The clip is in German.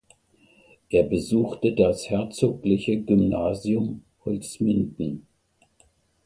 Er besuchte das "Herzogliche Gymnasium" Holzminden.